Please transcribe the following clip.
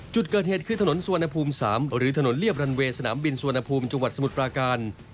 จุดเกิดเหตุคือถนนสุวรรณภูมิ๓หรือถนนเรียบรันเวย์สนามบินสุวรรณภูมิจังหวัดสมุทรปราการ